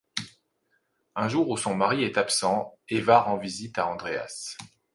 Un jour où son mari est absent, Eva rend visite à Andreas…